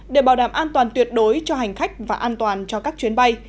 để bảo đảm an toàn tuyệt đối cho hành khách và an toàn cho các chuyến bay